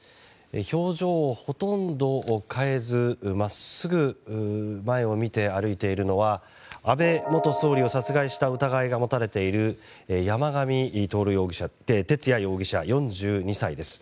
表情をほとんど変えず真っすぐ前を見て歩いているのは安倍元総理を殺害した疑いが持たれている山上徹也容疑者、４２歳です。